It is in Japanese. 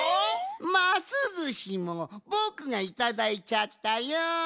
ますずしもぼくがいただいちゃったよん。